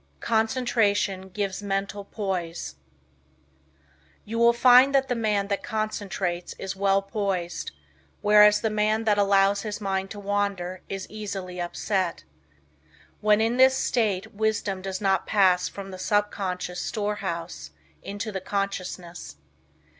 CONCENTRATION GIVES MENTAL POISE You will find that the man that concentrates is well poised, whereas the man that allows his mind to wander is easily upset. When in this state wisdom does not pass from the subconscious storehouse into the consciousness.